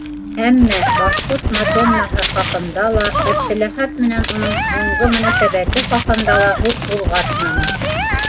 Әммә «Башҡорт мадоннаһы» хаҡында ла, Әптеләхәт менән уның һуңғы мөнәсәбәте хаҡында ла һүҙ ҡуҙғатманы.